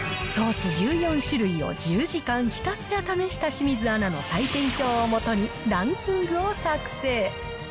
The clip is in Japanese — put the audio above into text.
ソース１４種類を１０時間ひたすら試した清水アナの採点表をもとに、ランキングを作成。